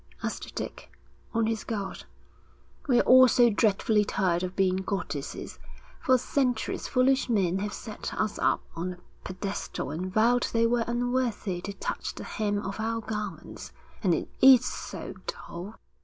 asked Dick, on his guard. 'We're all so dreadfully tired of being goddesses. For centuries foolish men have set us up on a pedestal and vowed they were unworthy to touch the hem of our garments. And it is so dull.'